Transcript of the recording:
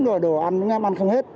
rồi đồ ăn chúng em ăn không hết